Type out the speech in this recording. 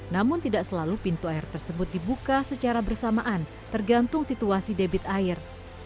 namun tidak selalu pintu air tersebut dibuka secara bersamaan tergantung situasi debit air